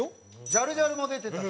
ジャルジャルも出てたし。